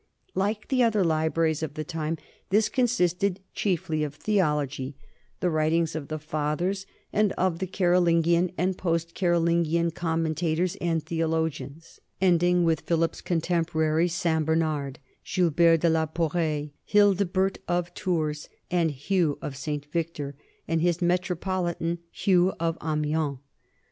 Like the other libraries of the time, this con sisted chiefly of theology the writings of the Fathers NORMAN LIFE AND CULTURE 179 and of the Carolingian and post Carolingian commenta tors and theologians, ending with Philip's contempo raries, St. Bernard, Gilbert de la Porree, Hildebert of Tours, and Hugh of St. Victor, and his metropolitan, Hugh of Amiens.